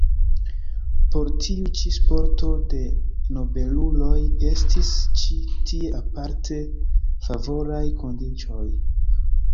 Por tiu ĉi sporto de nobeluloj estis ĉi tie aparte favoraj kondiĉoj.